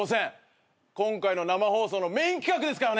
今回の生放送のメイン企画ですからね。